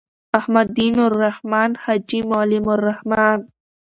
احمدی.نوالرحمن.حاجی معلم الرحمن